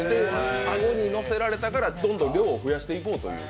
顎にのせられたからどんどん増やしていこうという。